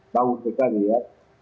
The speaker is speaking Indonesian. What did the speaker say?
tahu sekarang ya